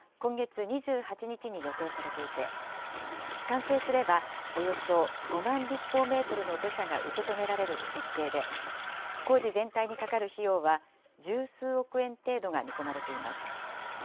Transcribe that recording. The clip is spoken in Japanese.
着工の式典は今月２８日に予定されていて、完成すれば、およそ５万立方メートルの土砂が受け止められる設計で、工事全体にかかる費用は、十数億円程度が見込まれています。